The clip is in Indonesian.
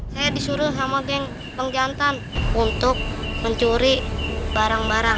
saya disuruh sama pengjantan untuk mencuri barang barang